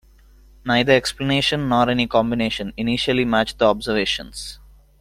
Neither explanation, nor any combination, initially matched the observations.